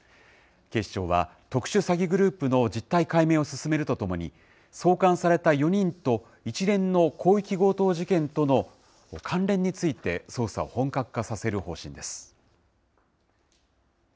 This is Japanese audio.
警視庁は特殊詐欺グループの実態解明を進めるとともに、送還された４人と一連の広域強盗事件との関連について、捜査を本格化させる方針です。